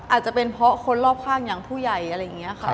อาจจะเป็นเพราะคนรอบข้างอย่างผู้ใหญ่อะไรอย่างนี้ค่ะ